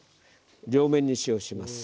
両面に塩をします。